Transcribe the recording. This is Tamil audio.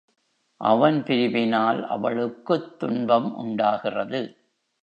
அவன் பிரிவினால் அவளுக்குத் துன்பம் உண்டாகிறது.